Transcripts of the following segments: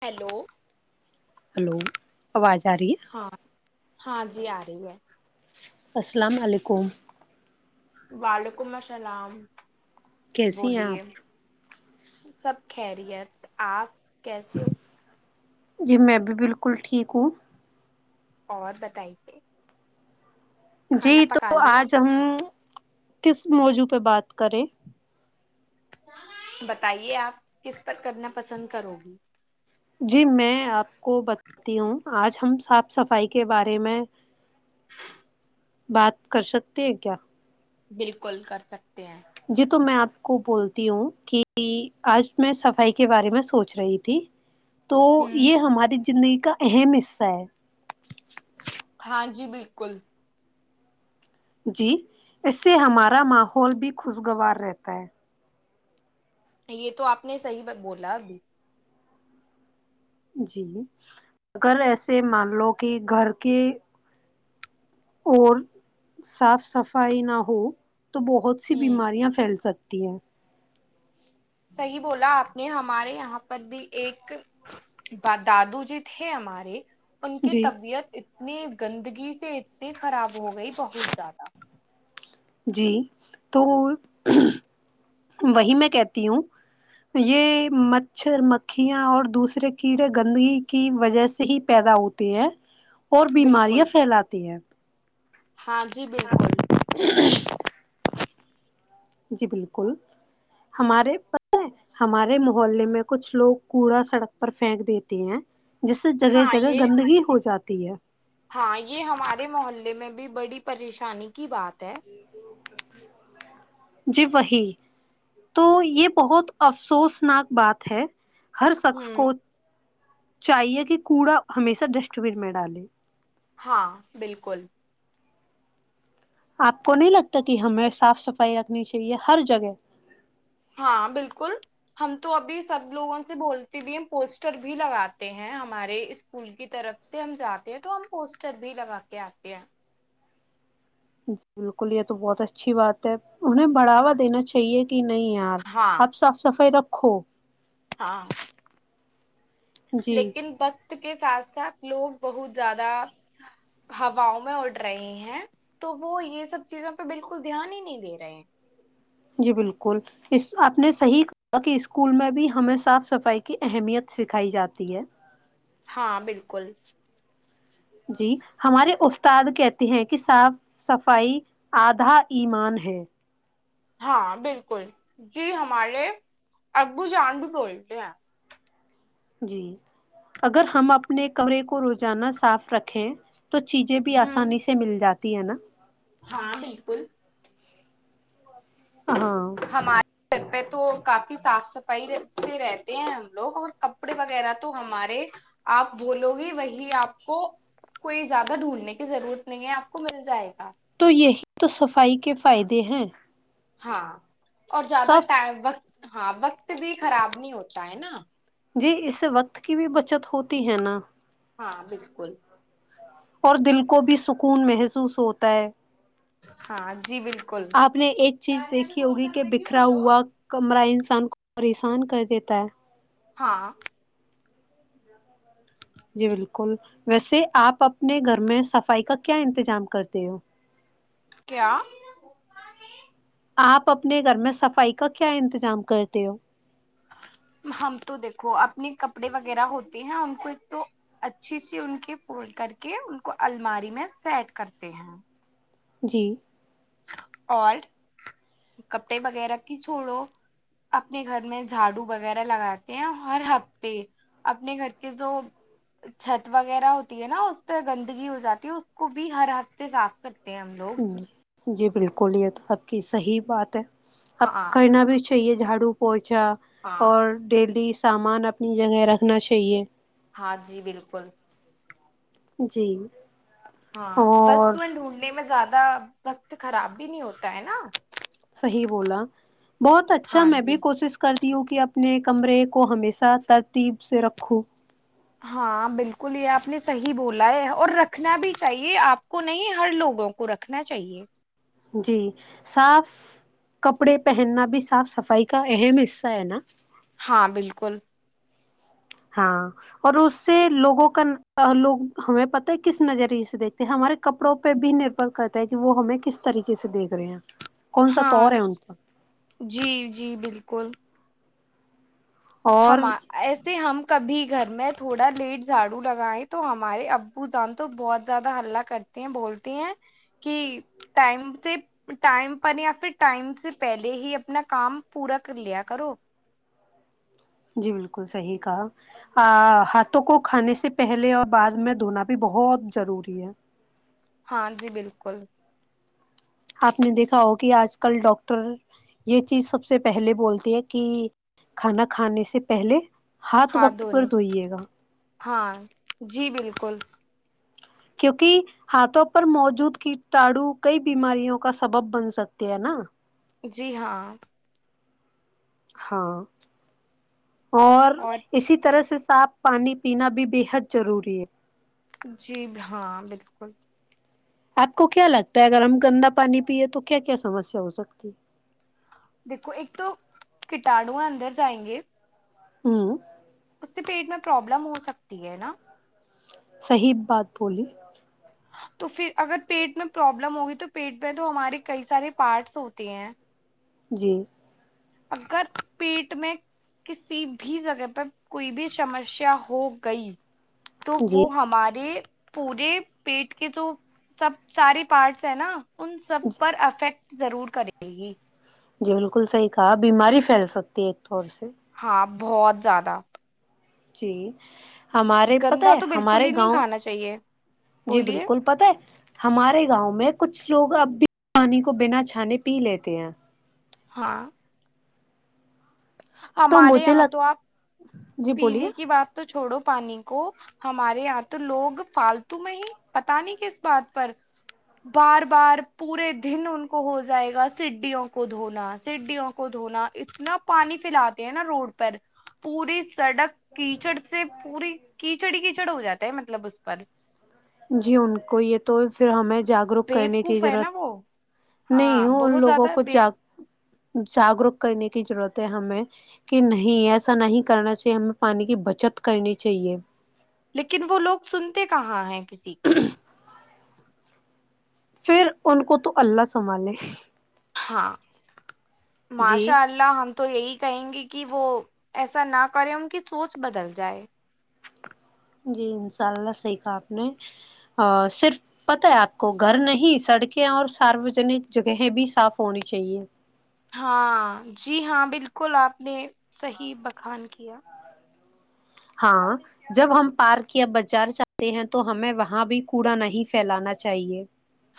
hello hello آواز آ رہی ہے ہاں ہاں جی آ رہی ہے السلام علیکم وعلیکم السلام کیسی ہیں بولیے آپ سب خیریت آپ کیس ہو جی میں بھی بالکل ٹھیک ہوں اور بتائیے [unintelligible] جی کھانا تو پکا لیا آج ہم کس موضوع پہ بات کریں بتائیے آپ کس پر کرنا پسند کرو گی جی میں آپ کو بتاتی ہوں آج ہم صاف صفائی کے بارے میں [inaudible] [inaudible] بات کر سکتی ہیں کیا بالکل کرتے سکتے ہیں [unintelligible] جی تو میں کو بولتی ہوں کہ آج میں صفائی کے بارے میں سوچ رہی تھی تو ہوں یہ ہماری زگ کا اہم حصہ ہے ہاں جی بالکل جی اس سے ہمارا ماحول بھی خوشگوار رہتا ہے یہ تو آپ نے صحیح بولا ابھی جی اگر ایسے مان لو کہ گھر کے اور صاف صفائی نہ ہو تو بہت سی ہوں بیماریاں پھیل سکتی [unintelligible] صحی بولا آپ نے ہمارے یہاں پر بھی ایک دادو جی تھے ہمارے ان کی جی طبیعت اتنی گندگی سے اتنی خراب ہو گئی بہت زیادہ جی تو وہی میں کہتی ہوں یہ مچھر مکھیاں اور دوسرے کیڑے گندگی کی وجہ سے ہی پیدا ہوتے ہیں اور بیماریاں بالکل پھیلاتی ہیں ہاں جی بالکل جی بالکل ہمارے ہمارے محلے میں کچھ لوگ کوڑا سڑک پر پھینک دیتے ہیں جس سے جگہ ہاں جگہ یہ گندگی ہو جاتی تی ہے ہاں یہ ہمارے محلے میں بھی بڑی پریشانی کی بات ہے جی وہی تو یہ بہت افسوس نک بات ہے ہر شخص کو ہوں چاہیے کہ کوڑا ہمیشہ ڈسٹ بین میں ڈالے ہاں بالکل آپ کو نہیں لگتا کہ ہمیں صاف صفائی رکھنی چاہیے ہر جگہ ہاں بالکل ہم تو ابھی سب لوگوں سے بولتے بھی ہم پوسٹر بھی لگاتے ہیں ہمارے اسکول کی طرف سے ہم جاتے ہیں تو ہم پوسٹر بھی لگا کے آتے ہیں جی بالکل یہ تو بہت اچھی بات ہے انہیں بڑھاوا دینا چاہیے کہ نہیں یار ہاں آپ صاف صفائی رکھ سکھو ہاں جی لیکن بت کے ساتھ ساتھ لوگ بہت زیادہ ہواؤ میں اڑ رہے ہیں تو وہ یہ سب چیزوں پہ بالکل دھیان ہی نہیں دے رہے جی بالکل اس آپ نے صحیح کہا کہ اسکول میں بھی ہمیں صاف صفائی کی اہمیت سکھائی جاتی ہے ہاں بالکل جی ہمارے استاد کہتے ہیں کہ صاف صفائی آدھا ایمان ہے ہاں بالکل جی ہمارے ابو جان بھی بولتے ہیں جی اگر ہم اپنے کمرے کو روزانہ صاف رکھ ہیں تو چیزیں بھی ہوں آسانی سے مل جاتی ت ہے نا ہاں بالکل ہاں ہمارے گھر پہ تو کافی صاف صفائی سے رہتے ہیں ہم لوگ اور کپڑے وغیرہ تو ہمارے آپ ب لو گے وہی آپ کو کوئی زیادہ ڈھونڈنے کی ضرورت نہیں ہے آپ کو مل جائے گا تو یہی تو صفائی کے فائدے ہیں ہاں اور زیادہ صاف ٹائم وقت ہاں وقت بھی خراب نہیں ہوتا ہے نا جی اس وقت کی بھی بچت ہوتی ہے نا ہاں بالکل اور دل کو بھی سکھ خون محسوس ہوتا ہے ہاں جی بالکل آپ نے ایک چیز دیکھی ہوگی کہ بکھرا ہوا کمرائنس ان کو پریشان کر دیتا ہے ہاں جی بالکل ویسے آپ اپنے گھر میں صفائی کا کیا انتظام کرتے ہو کیا آپ اپنے گھر میں صفائی کا کیا انتظام کرتے ہو ہم تو دیکھو اپنے کپڑے وغیرہ ہوتے ہیں ان کو ایک تو اچھی سے ان کے فولڈ کر کے ان کو الماری میں سیٹ کرتے ہیں جی اور کپڑے وغیرہ کی چھوڑو اپنے گھر میں جھاڑو وغیرہ لگاتے ہیں ہر ہفتے اپنے گھر کے جو چھت وغیرہ ہوتی ہے نا اس پہ گندگی ہو جاتی ہے اس کو بھی ہر ہفتے صاف کرتے ہم لوگ جی بالکل یہ تو آپ کی صحیح بات ہے اب ہاں کرنا بھی اچھ چاہ یہے جاڑو پوچ اچھا ہاں اور ڈیلی سامان اپنی جگہ رکھنا چاہیے ہاں جی بالکل جی ہاں بس اور تو ا ڈھونڈنے میں زیادہ وقت خراب بھی نہیں ہوتا ہے نا صحیح بولا بہت اچھا ہاں میں بھی جی کوشش کرتی ہوں کہ آپ اپنے کمرے کو ہمیشہ ترتیب سے رکھو ہاں بالکل یہ آپ نے صحیح بولا ہے اور رکھنا بھی چاہیے آپ کو نہیں ہر لوگوں کو رکھنا چاہیے جی صاف کپڑے پہننا بھی صاف صفائی کا اہم حصہ ہے نا ہاں بالکل ہاں اور اس سے لوگوں کا لوگ ہمیں پتا ہے کس نظریے سے دیکھتے ہیں ہمارے کپڑوں پہ بھی نربھر کرتا ہے کہ وہ ہمیں کس طریقے سے دیکھ رہے ہیں کون سا ہاں طور ہے ان کا جی جی بالکل اور ہما ایسے ہم کب گھر میں تھوڑا لیٹ جھاڑو لگائے تو ہمارے ابو جان تو بہت زیادہ ہلہ کرتے ہیں بولتے ہیں کہ ٹم سے ٹائم پر یا پھر ٹائم سے پہلے ہی اپنا کام پورا کر لیا کرو جی بالکل صحیح کہا ہاتھوں کو کھانے سے پہلے اور بعد میں دھونا بھی بہت ضروری ہے ہاں جی بالکل آپ نے دیکھا ہو کہ آج کل ڈاکاکٹر یہ چیز سب سے پہلے بولتی ہے کہ کھانا کھانے سے پہلے ہاتھ ہاں وقت پر دنی دھوئیے گا ہاں جی بالکل کل کیونکہ ہاتھوں پر موجود کیٹاڑو کئی بیماریوں کا سبب بن سکتے ہے نا جی ہاں ہاں اور اسی طرح سے صاف پانی پینا بھی بےحد ضروری ہے جی ہاں بالکل آپ کو کیا لگتا ہے اگر ہم گندا پانی پیے تو کیا کیا سمسیا ہو سکتی دیکھو ایک تو کٹاڑو اندر جائیں گے ہاں اس سے پیٹ میں پرابلم ہو سکتی ہے نا صہیب بات بولی تو پھر اگر پیٹ میں پروبلم ہوگی تو پیٹ میں تو ہمارے کئی سارے پارٹس ہوتے ہیں جی اگر پیٹ میں کسی بھی جگہ پر کوئی بھی سمسیا ہو گئی تو جی وہ ہمارے پورے پیٹ کے جو سب سارے پارٹس ہیں نا ان سب پر افیکٹ ضرور کریے گی جی بالکل صحیح کہا بیماری پھیل سکتی ہے تھور سے ہاں بہت زیادہ جی ہمارے پت گندا ہے تو بالکل ہمارے ہی نہیں گاؤں کھانا چاہیے جی بولیے بالکل پت ہے ہمارے گاؤں میں کچھ لوگ اب بھی پانی کو بنا چھانے پی لیتے ہیں ہاں تو ہمارے مجھے یہاں لگ تو آپ جی بولیے پینے کی بات تو چھوڑو پانی کو ہمارے یہاں تو لوگ فالتو میں ہی پتا نہیں کس بات پر بار بار پورے دن ان کو ہو جائے گا سڈیوں کو دھونا سڈیوں کو دھونا اتنا پانی پھیلاتے ہیں نا روڈ پر پوری سڑک کیچڑ سے پوری کیچڑ کیچڑ ہو جاتا ہے مطلب اس پر جی ان کو یہ تو پھر ہمیں جاگروک کرنے کی بیوقوف ہے ضرورت نا وہ نہیں ہاں ہ ان بہت لوگوں زیادہ کو ج بے جاگروک کرنے کی ضرورت ہے ہمیں کہ نہیں ایسا نہیں کرنا چاہیے ہم پانی کی بچت کرنی چاہیے لیکن وہ لوگ سنتے کہاں ہیں سیکک پھر ان کو تو اللہ سنبھالے ہاں جی ماشاء اللہ ہم تو یہی کہیں گے کہ وہ ایسا نہ کرے ان کی سوچ بدل جائے جی انشاء اللہ صحیح کہا آپ نے صرف پت ہے آپ کو گھر نہیں سڑکیں اور ساروجنک جگہیں بھی صاف ہونی چاہیے ہاں جی ہاں بالکل آپ نے صحیح بیان کیا ہاں جب ہم پارک یا بازار جاتے ہیں تو ہمیں وہاں بھی کوڑا نہیں پھیلانا چاہیے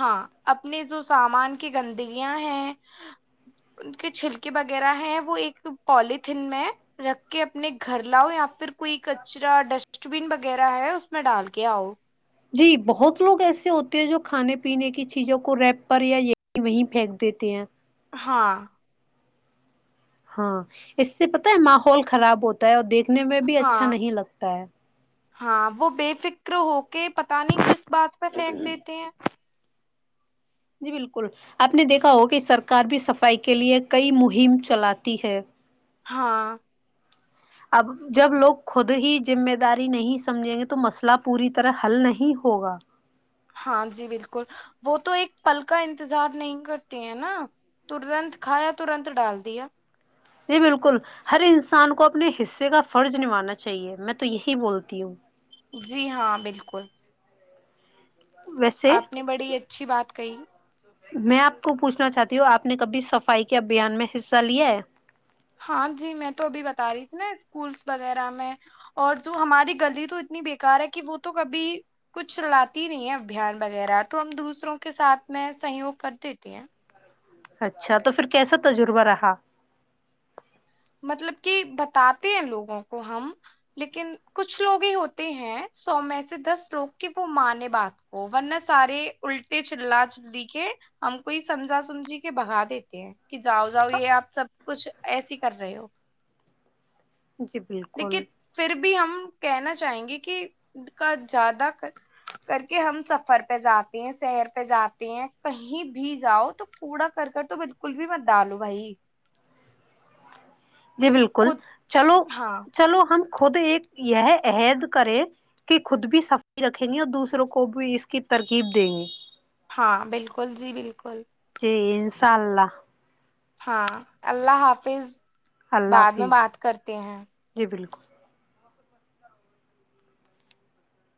ہاں اپنے جو سامان کی گندگیاں ہیں ان کے چھلکے وغیرہ ہیں وہ ایک پالتن میں رکھ کے اپنے گھر لاؤ یا پھر کوئی کچرا ڈسٹ بین وغیرہ ہے اس میں ڈال کے آؤ جی بہت لوگ ایسے ہوتے ہیں جو کھانے پینے کی چیزوں کو ریپ پر یا یہ وہیں پھینک دیتے ہیں ہاں ہاں اس سے پتا ہے ماحول خراب ہوتا ہے اور دیکھ دیکھنے میں بھی اچھا ہاں نہیں لگتا ہے ہاں وہ بے فکر ہو کے پتا نہیں کس بات پہ پھینک دیتے ہیں جی بالکل آپ نے دیکھا ہو کہ سرکار بھی صفائی کے لیے کئی مہم چلاتی ہے ہاں اب جب لوگ خود ہی ذمہ داری نہیں سمجھیں گے تو مسئلہ پوری طرح حل نہیں ہوگا ہاں جی بالکل وہ تو ایک پل کا انتظار نہیں کرتے ہیں نا ترنت کھایا ترنت ڈال دیا جی بالکل ہر انسان کو اپنے حصے کا فرض نبھانا چاہیے میں تو یہی بولتی ہوں جی ہاں بالکل ویسے آپ نے بڑی اچھی بات کہی میں آپ کو پوچھنا چاہتی ہوں آپ نے کبھی صفائی کے ابھیان میں حصہ لیا ہے ہاں جی میں تو ابھی بتا رہی تھی نا اسکولس وغیرہ میں اور جو ہماری گغطی تو اتنی بیکار ہے کہ وہ تو کبھی کچھ چلاتی نہیں ہے ابھیان وغیرہ تو ہم دوسروں کے ساتھ میں سہیوگ کر دیتے ہیں اچھا تو پھر کیسا تجربہ رہا مطلب کہ بتاتے ہیں لوگوں کو ہم لیکن کچھ لوگ ہی ہوتے ہیں سو میں سے دس لوگ کہ وہ مانے بات کو ورنہ سارے الٹے چلا چلی کے ہم کوئی سمجھا سمجھی کے بھگا دیتے ہیں کہ جاؤ جاؤ یہ آپ سب کچھ ایسی کر رہے ہو جی بالکل لیکن پھر بھی ہم کہنا چاہیں گے کہ کا زیادہ کر کے ہم سفر پہ جاتے ہیں سہر پہ جاتے ہیں کہیں بھی جاؤ تو کوڑا کر کر تو بالکل بھی مت ڈالو بھائی جی بالکل خود چلو ہاں چلو ہم خود ایک یہ عہد کریں کہ خود بھی صفائی رکھیں گے اور دوسروں کو بھی اس کی ترکیب دیں گے ہاں بالکل جی بالکل جی انشاء اللہ ہاں اللہ حافظ اللہ بعد میں حافظ بات کرتے ہیں جی بالکل